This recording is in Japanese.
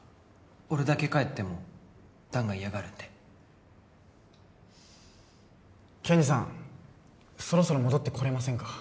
俺だけ帰っても弾が嫌がるんでケンジさんそろそろ戻ってこれませんか？